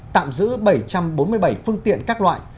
tạm giữ bảy trăm bốn mươi bảy phương tiện các loại